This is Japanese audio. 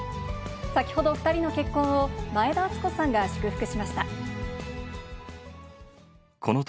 先ほど２人の結婚を前田敦子さんが祝福しました。